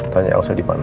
tanya elsa di mana